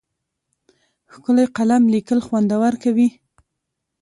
ښکلی قلم لیکل خوندور کوي.